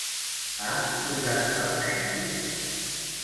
Ha exposat per Mèxic?